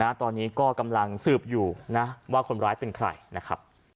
ตอนนี้ก็กำลังสืบอยู่นะว่าคนร้ายเป็นใครนะครับ